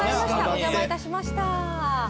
お邪魔いたしました。